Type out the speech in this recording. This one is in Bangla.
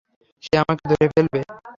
সে আমাকে ধরে ফেলবে।